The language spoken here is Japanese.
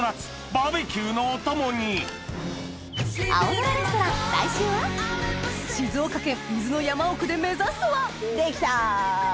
バーベキューのお供に静岡県伊豆の山奥で目指すはできた。